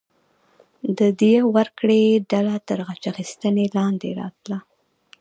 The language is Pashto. د دیه ورکړې ډله تر غچ اخیستنې لاندې راتله.